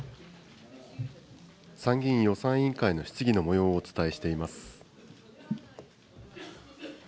参議院予算委員会の質疑のもようをお伝えしています。